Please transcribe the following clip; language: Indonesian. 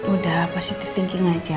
udah pasti thinking aja